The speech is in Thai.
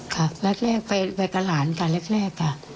ค่ะนัดแรกไปกับหลานค่ะแรกค่ะ